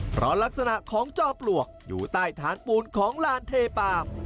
เพราะลักษณะของจอมปลวกอยู่ใต้ฐานปูนของลานเทปาล์ม